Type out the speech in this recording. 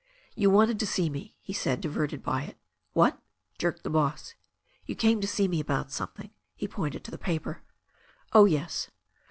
"You wanted to see me," he said, diverted by it. "What?" jerked the boss. "You came to see me about something." He pointed to the paper. "Oh, yes."